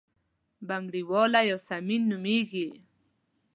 بنګړیواله یاسمین نومېږي.